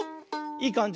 いいかんじ。